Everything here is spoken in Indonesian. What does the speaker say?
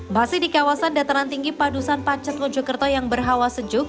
masih di kawasan dataran tinggi padusan pacet mojokerto yang berhawa sejuk